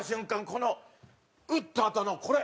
この打ったあとのこれ。